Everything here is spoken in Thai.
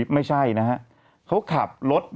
ไม่ใช่นะฮะเขาขับรถ